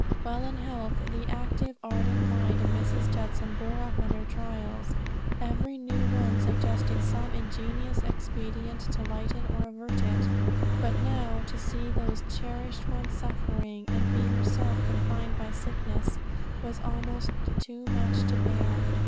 While in health, the active, ardent mind of Mrs. Judson bore up under trials, every new one suggesting some ingenious expedient to lighten or avert it; but now to see those cherished ones suffering, and be herself confined by sickness, was almost too much to bear.